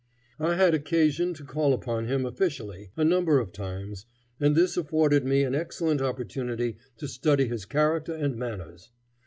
I had occasion to call upon him officially, a number of times, and this afforded me an excellent opportunity to study his character and manners.